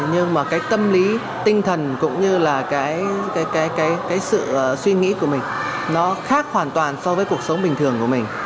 nhưng mà cái tâm lý tinh thần cũng như là cái sự suy nghĩ của mình nó khác hoàn toàn so với cuộc sống bình thường của mình